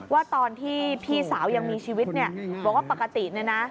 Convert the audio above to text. ว่าตอนที่พี่สาวยังมีชีวิตเนี่ยบอกว่าปกติเนี่ยนะ